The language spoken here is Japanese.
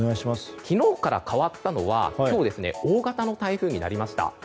昨日から変わったのは今日、大型の台風になりました。